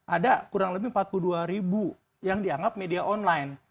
ada kurang lebih empat puluh dua ribu yang dianggap media online